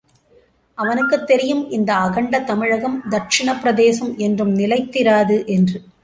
அவனுக்குத் தெரியும், இந்த அகண்ட தமிழகம், தக்ஷிணப் பிரதேசம் என்றும் நிலைத்து இராது என்று.